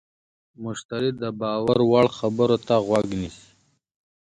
مشتری د باور وړ خبرو ته غوږ نیسي.